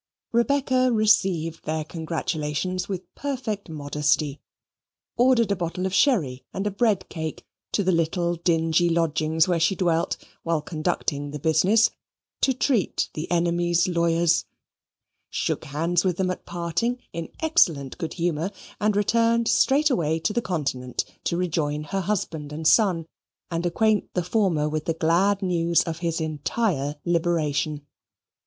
Rebecca received their congratulations with perfect modesty; ordered a bottle of sherry and a bread cake to the little dingy lodgings where she dwelt, while conducting the business, to treat the enemy's lawyers: shook hands with them at parting, in excellent good humour, and returned straightway to the Continent, to rejoin her husband and son and acquaint the former with the glad news of his entire liberation.